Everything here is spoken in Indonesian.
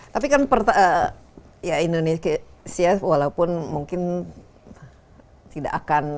tapi kan indonesia walaupun mungkin tidak akan